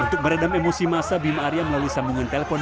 untuk meredam emosi masa bima arya melalui sambungan telpon